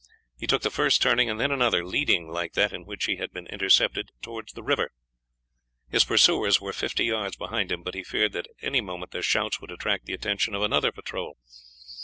He took the first turning, and then another, leading, like that in which he had been intercepted, towards the river. His pursuers were fifty yards behind him, but he feared that at any moment their shouts would attract the attention of another patrol.